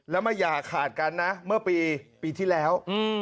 แล้วมาอย่าขาดกันนะเมื่อปีที่แล้ว